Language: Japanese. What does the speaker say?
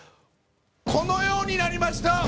このようになりました！